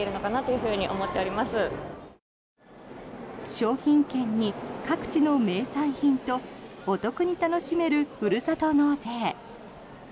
商品券に、各地の名産品とお得に楽しめるふるさと納税。